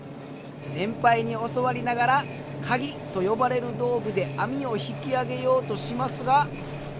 先輩に教わりながらカギと呼ばれる道具で網を引き揚げようとしますが。